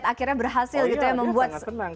akhirnya berhasil gitu ya